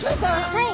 はい！